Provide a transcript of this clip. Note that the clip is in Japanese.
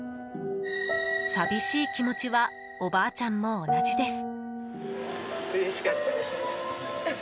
寂しい気持ちはおばあちゃんも同じです。